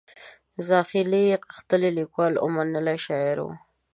زاخیلي غښتلی لیکوال او منلی شاعر و.